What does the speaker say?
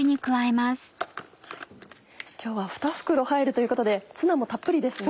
今日は２袋入るということでツナもたっぷりですね。